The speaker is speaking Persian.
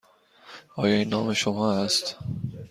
آیا این نام شما است؟